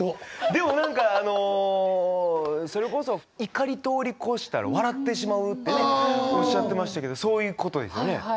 でも何かあのそれこそ怒り通り越したら笑ってしまうってねおっしゃってましたけどそういうことですよね？